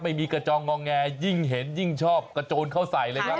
ไม่มีกระจองงองแงยิ่งเห็นยิ่งชอบกระโจนเข้าใส่เลยครับ